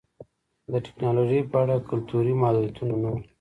د ټکنالوژۍ په اړه کلتوري محدودیتونه نه وو